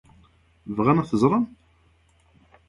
Bɣan ad t-ẓren?